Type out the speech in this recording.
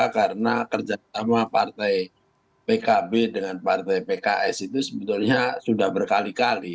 karena kerja sama partai pkb dengan partai pks itu sebetulnya sudah berkali kali